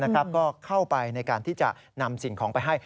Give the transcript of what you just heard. ก็เข้าไปในการที่จะนำสิ่งของไปให้